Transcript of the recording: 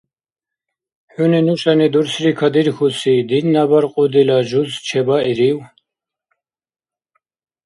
Хӏуни нушани дурсри кадирхьуси динна багьудила жуз чебаирив?